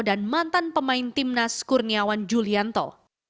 dan mantan pemain tim nas kurniawan julianto